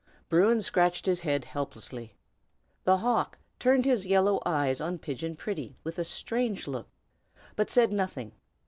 Bruin scratched his head helplessly; the hawk turned his yellow eyes on Pigeon Pretty with a strange look, but said nothing.